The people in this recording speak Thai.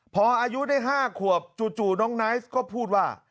พออายุได้๕ขวบจู่น้องไนท์ก็พูดว่า